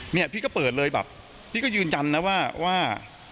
เนี่ยพี่ก็เปิดเลยแบบพี่ก็ยืนยันนะว่า